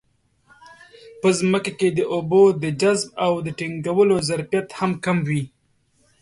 په ځمکه کې د اوبو د جذب او ټینګولو ظرفیت هم کم وي.